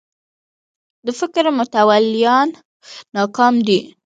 د فکر متولیان ناکام دي